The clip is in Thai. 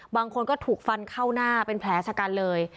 บางคนก็ถูกฟันเข้าหน้าเป็นแผลชะกันเลย